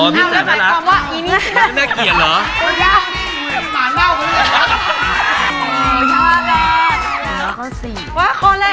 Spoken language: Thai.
พี่จ๋าอาจารย์น่ารักก็ชอบ